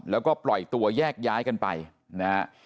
แล้วก็ปล่อยตัวแยกย้ายกันไปนะฮะ